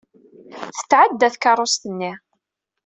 Tetɛedda tkeṛṛust-nni!